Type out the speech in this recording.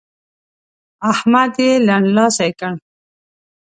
احمد يې لنډلاسی کړ.